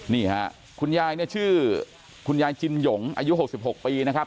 นี่ค่ะคุณยายเนี่ยชื่อคุณยายจินหยงอายุ๖๖ปีนะครับ